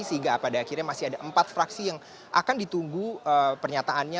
sehingga pada akhirnya masih ada empat fraksi yang akan ditunggu pernyataannya